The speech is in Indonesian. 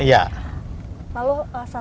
kita harus berpikir bahwa petika ingin chick